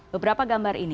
beberapa gambar ini